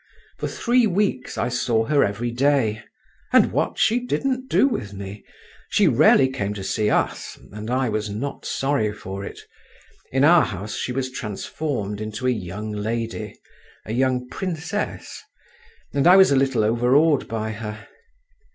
For three weeks I saw her every day, and what didn't she do with me! She rarely came to see us, and I was not sorry for it; in our house she was transformed into a young lady, a young princess, and I was a little overawed by her.